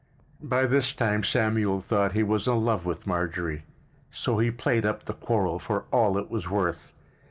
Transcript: By this time Samuel thought he was in love with Marjorie—so he played up the quarrel for all it was worth.